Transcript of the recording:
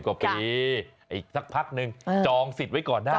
กว่าปีอีกสักพักนึงจองสิทธิ์ไว้ก่อนได้